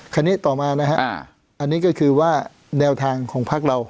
คราวนี้ต่อมานะฮะอันนี้ก็คือว่าแนวทางของพักเรา